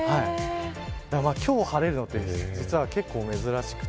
今日晴れるのは実は結構珍しくて。